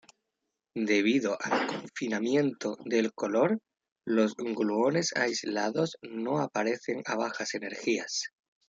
Debido al confinamiento del color, los gluones aislados no aparecen a bajas energías.